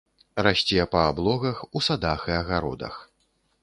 Расце па аблогах, у садах і агародах.